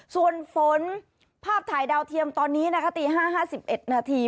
ส่วนฝนภาพถ่ายดาวเทียมตอนนี้นะคะตี๕๕๑นาที